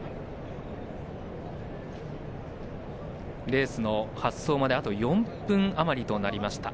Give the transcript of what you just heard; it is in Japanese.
レースの発走まであと４分余りとなりました。